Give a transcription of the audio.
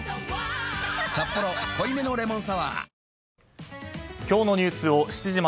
「サッポロ濃いめのレモンサワー」